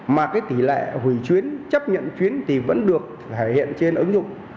mà cái tỷ lệ hủy chuyến chấp nhận chuyến thì vẫn được thể hiện trên ứng dụng